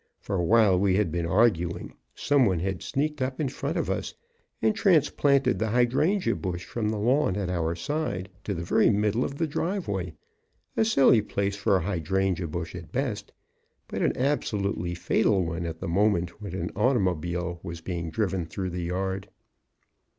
For, while we had been arguing, some one had sneaked up in front of us and transplanted the hydrangea bush from the lawn at our side to the very middle of the driveway, a silly place for a hydrangea bush at best, but an absolutely fatal one at the moment when an automobile was being driven through the yard.